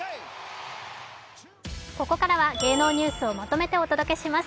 ここからは芸能ニュースをまとめてお伝えします。